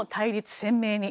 鮮明に。